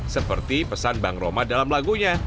seperti pesan bang roma dalam lagunya